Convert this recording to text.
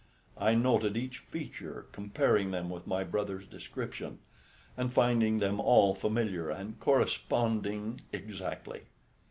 I noted each feature, comparing them with my brother's description, and finding them all familiar and corresponding exactly.